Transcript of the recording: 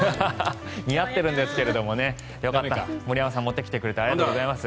似合ってるんですが森山さん、持ってきてくれてありがとうございます。